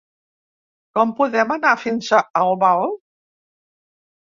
Com podem anar fins a Albal?